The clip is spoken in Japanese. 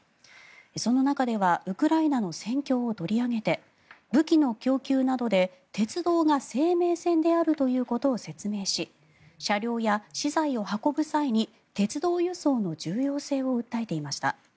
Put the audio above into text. その中ではウクライナの戦況を取り上げて武器の供給などで鉄道が生命線であるということを説明し車両や資材を運ぶ際に鉄道輸送の重要性を訴えていました。